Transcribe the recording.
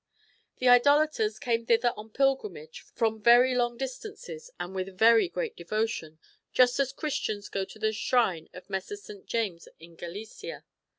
The idolaters come thither on pilgrimage from very long distances and with great devotion, just as Christians go to the shrine of Messer Saint James in Gallicia.